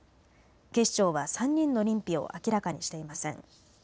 警視庁は３人の認否を明らかにしていません。